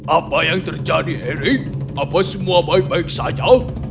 apa yang terjadi erik apa semua baik baik saja